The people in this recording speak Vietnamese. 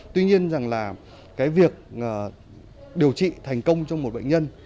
tuy nhiên rằng là cái việc điều trị thành công cho một bệnh nhân